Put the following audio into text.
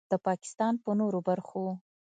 د پاکستان په نورو برخو